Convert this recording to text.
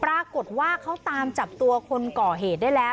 ปรากฏว่าเขาตามจับตัวคนก่อเหตุได้แล้ว